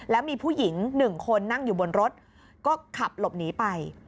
แล้วมีผู้หญิง๑คนนั่งอยู่บนรถก็ขับหลบหนีไป